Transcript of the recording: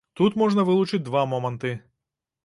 Тут можна вылучыць два моманты.